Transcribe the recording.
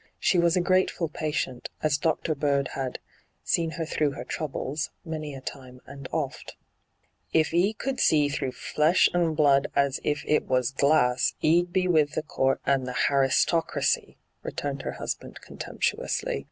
' She was a grateiul patient, as Dr. Bird had ' seen her through her troubles ' many a time and ofL ' If 'e could see through flesh an' blood as if it was glass, 'e'd be with the Court and the aristocraticasy,' returned her husband con temptuously.